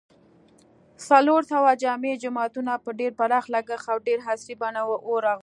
څلورسوه جامع جوماتونه په ډېر پراخ لګښت او ډېره عصري بڼه و رغول